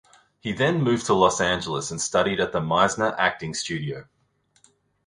He then moved to Los Angeles and studied at the Meisner Acting Studio.